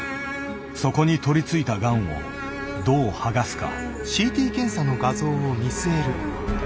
そこに取りついたがんをどう剥がすか。